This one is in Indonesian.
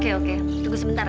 oke oke tunggu sebentar ya